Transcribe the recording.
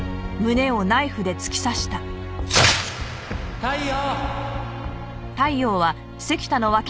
太陽！